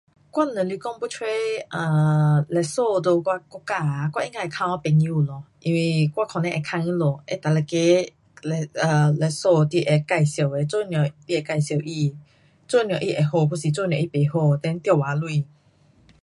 我若是讲要找律师 um 在我国家啊，我应该问我朋友咯。因为我可能会问他们，会哪一个律师你会介绍的，做什么你会介绍他。做什么他会好还是做什么他不好，then 多少钱。